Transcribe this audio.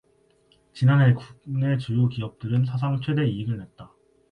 지난해 국내 주요 기업들은 사상 최대의 이익을 냈다.